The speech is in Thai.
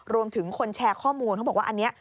รวมถึงคนแชร์ข้อมูลเขาบอกว่าอันนี้